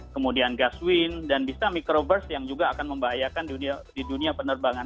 kemudian gas win dan bisa microburst yang juga akan membahayakan di dunia penerbangan